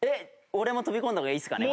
俺も飛び込んだ方がいいっすかね？